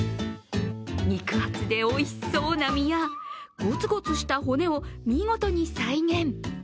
肉厚でおいしそうな身やごつごつした骨を見事に再現。